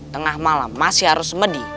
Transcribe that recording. tengah malam masih harus medi